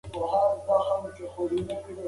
مېلمستیا وکړئ.